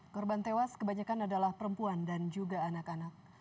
korban tewas kebanyakan adalah perempuan dan juga anak anak